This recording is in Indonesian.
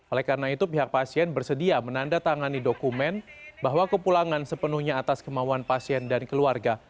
oleh karena itu pihak pasien bersedia menandatangani dokumen bahwa kepulangan sepenuhnya atas kemauan pasien dan keluarga